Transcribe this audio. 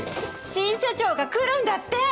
新社長が来るんだって！